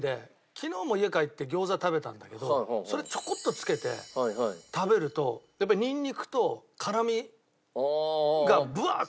昨日も家帰って餃子食べたんだけどそれちょこっとつけて食べるとやっぱりニンニクと辛みがブワッ！